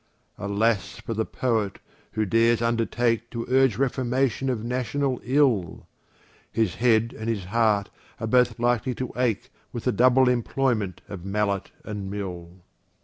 Alas for the Poet, who dares undertake To urge reformation of national ill! His head and his heart are both likely to ache With the double employment of mallet and mill.